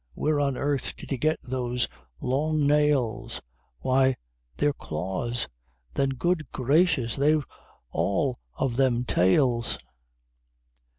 Where on earth did he get those long nails? Why, they're claws! then Good Gracious! they've all of them _tails!